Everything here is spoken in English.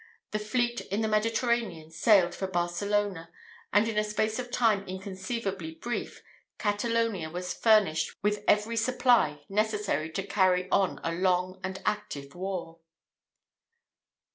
The fleet in the Mediterranean sailed for Barcelona; and, in a space of time inconceivably brief, Catalonia was furnished with every supply necessary to carry on a long and an active war.